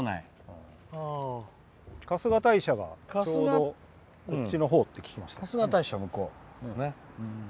春日大社が、ちょうどこっちのほうって聞きました。